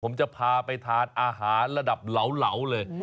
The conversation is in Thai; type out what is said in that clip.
ผมจะพาไปทานอาหารระดับเหลาเลย